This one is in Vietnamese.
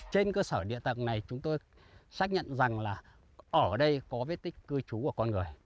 trên cơ sở địa tầng này chúng tôi xác nhận rằng là ở đây có vết tích cư trú của con người